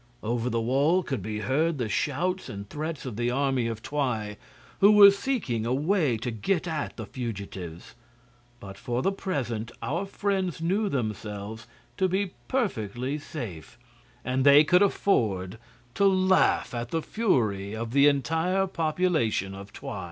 Over the wall could be heard the shouts and threats of the army of Twi, who were seeking a way to get at the fugitives; but for the present our friends knew themselves to be perfectly safe, and they could afford to laugh at the fury of the entire population of Twi.